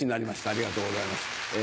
ありがとうございます。